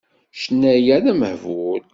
Ccna-ya d amehbul.